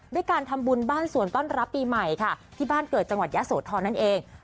ด้วยการทำบุญบ้านสวนต้อนรับปีใหม่ค่ะที่บ้านเกิดจังหวัดยะโสธรนั่นเอง